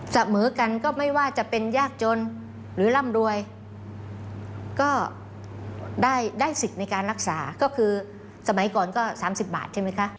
เสมอกันก็ไม่ว่าจะเป็นยากจนหรือร่ำรวยก็ได้ได้สิทธิ์ในการรักษาก็คือสมัยก่อนก็๓๐บาทใช่ไหมคะ